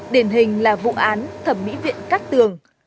điển hình là vụ án thẩm mỹ viện cắt tường